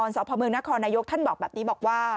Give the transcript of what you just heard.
สุดยอดดีแล้วล่ะ